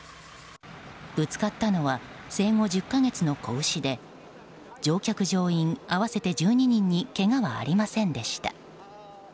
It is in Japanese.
ぶつかったのは生後１０か月の子牛で乗客・乗員合わせて１２人にけがはありませんでした。